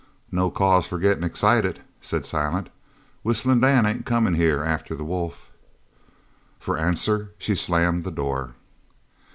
"No cause for gettin' excited," said Silent. "Whistlin' Dan ain't comin' here after the wolf." For answer she slammed the door.